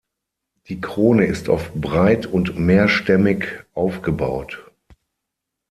Die Krone ist oft breit und mehrstämmig aufgebaut.